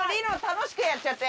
楽しくやっちゃって。